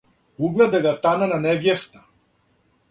Угледа га танана невјеста,